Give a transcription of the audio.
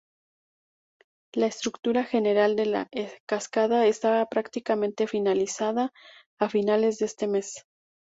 La estructura general de la cascada estaba prácticamente finalizada a finales de este mes.